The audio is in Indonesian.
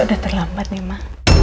udah terlambat nih ma